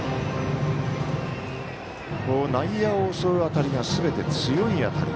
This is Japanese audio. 内野を襲う当たりがすべて強い当たり。